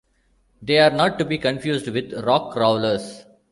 They are not to be confused with "Rock Crawlers".